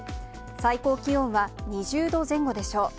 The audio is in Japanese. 最高気温は２０度前後でしょう。